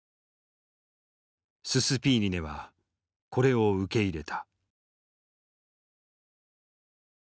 ススピーリネはこれを受け入れた。